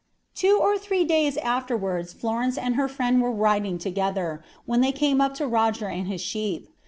"Two or three days afterwards Florence and her friend were riding together, when they came up to Roger and his sheep.